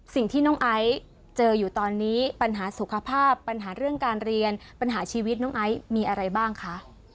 สิ่งที่น้องไอซ์เจออยู่ตอนนี้ปัญหาสุขภาพปัญหาเรื่องการเรียนปัญหาชีวิตน้องไอซ์มีอะไรบ้างคะ